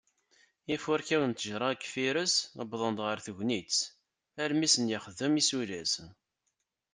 Ifurkawen n tejjṛa n yifires wwḍen-d ɣar tegnit, almi i asen-yexdem isulas.